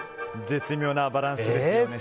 絶妙なバランスですよね。